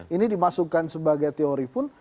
ini dimasukkan sebagai teori pun